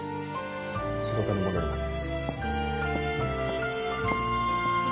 仕事に戻ります。